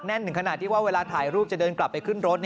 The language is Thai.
ถึงขนาดที่ว่าเวลาถ่ายรูปจะเดินกลับไปขึ้นรถ